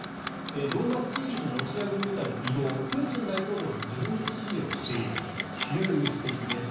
ドンバス地方でのロシア軍部隊の移動をプーチン大統領が自分で指示をしているという指摘です。